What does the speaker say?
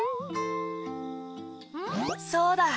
そうだ！